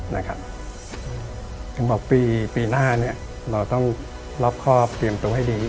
ถึงบอกปีหน้าเราต้องรอบครอบเตรียมตัวให้ดี